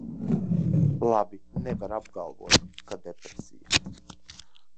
Labi, nevar apgalvot, ka depresija.